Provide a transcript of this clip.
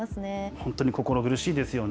本当に心苦しいですよね。